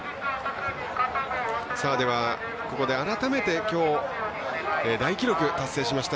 ここで改めて、きょう大記録を達成しました